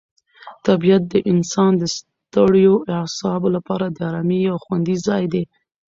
طبیعت د انسان د ستړیو اعصابو لپاره د آرامۍ یو خوندي ځای دی.